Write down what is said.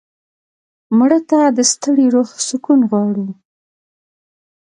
مړه ته د ستړي روح سکون غواړو